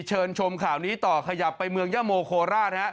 เชิญชมข่าวนี้ต่อขยับไปเมืองยะโมโคราช